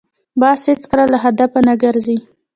باز هېڅکله له هدفه نه ګرځي